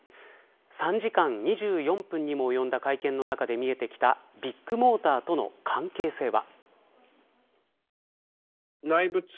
３時間２４分にも及んだ会見の中で見えてきたビッグモーターとの関係性は。